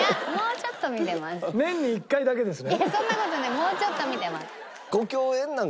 もうちょっと見てます。